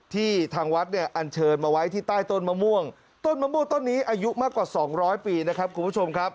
ทางวัดเนี่ยอันเชิญมาไว้ที่ใต้ต้นมะม่วงต้นมะม่วงต้นนี้อายุมากกว่า๒๐๐ปีนะครับคุณผู้ชมครับ